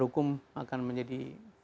hukum akan menjadi